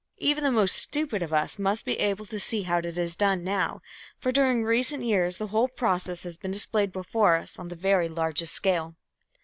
Even the most stupid of us must be able to see how it is done now, for during recent years the whole process has been displayed before us on the very largest scale.